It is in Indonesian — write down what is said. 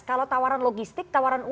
kalau tawaran logistik itu